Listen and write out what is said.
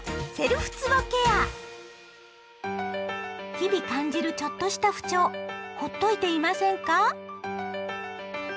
日々感じるちょっとした不調ほっといていませんか？